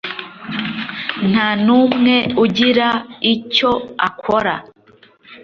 nta n ‘umwe ugira icyo akora.